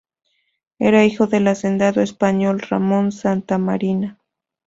Era hijo del hacendado español Ramón Santamarina.